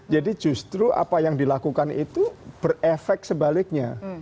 jadi justru apa yang dilakukan itu berefek sebaliknya